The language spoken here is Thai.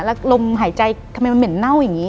แล้วลมหายใจทำไมมันเหม็นเน่าอย่างนี้